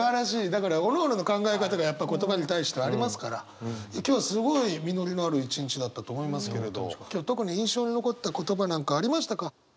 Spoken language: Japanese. だからおのおのの考え方がやっぱり言葉に対してはありますから今日すごい実りのある一日だったと思いますけれど今日特に印象に残った言葉なんかありましたか？